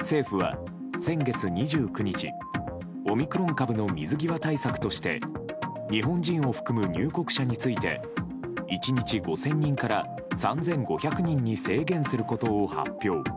政府は先月２９日オミクロン株の水際対策として日本人を含む入国者について１日５０００人から３５００人に制限することを発表。